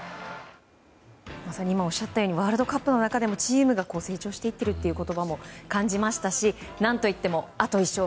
まさに今おっしゃったようにワールドカップの中でチームが成長していってるという言葉も感じましたし何といってもあと１勝。